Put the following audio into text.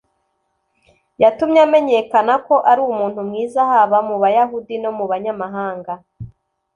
yatumye amenyakana ko ari umuntu mwiza haba mu Bayahudi no mu Banyamahanga